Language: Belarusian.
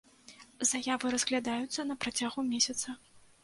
Заявы разглядаюцца на працягу месяца.